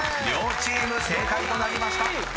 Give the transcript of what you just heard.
［両チーム正解となりました］